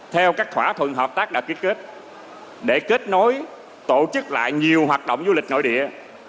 theo các thỏa thuận hợp tác đã ký kết để kết nối tổ chức lại nhiều hoạt động du lịch nội địa